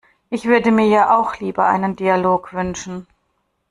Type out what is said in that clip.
Ich würde mir ja auch lieber einen Dialog wünschen.